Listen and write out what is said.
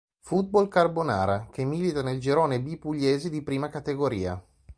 Football Carbonara" che milita nel girone B pugliese di Prima Categoria.